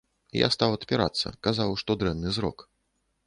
Я стаў адпірацца, казаў, што дрэнны зрок.